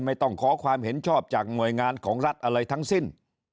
ไม่ต้องขอความเห็นชอบจากหน่วยงานของรัฐอะไรทั้งสิ้น